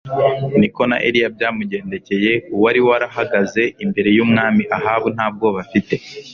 Ni ko na Eliya byamugendekeye, uwari warahagaze imbere y'Umwami Ahabu nta bwoba afite,